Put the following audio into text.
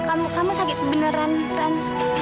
kamu kamu sakit beneran san